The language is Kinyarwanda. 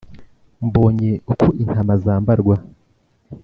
mbonye uko intama zambarwa